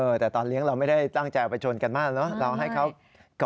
แต่ตอนเลี้ยงเราไม่ได้ตั้งใจเอาไปชนกันมากเนอะเราให้เขาก่อ